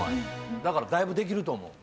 だからだいぶできると思う。